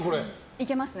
いけますね。